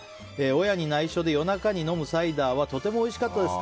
親に内緒で夜中に飲むサイダーはとてもおいしかったです。